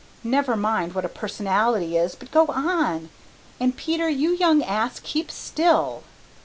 Never mind what a personality is but go on and, Peter, you young ass, keep still."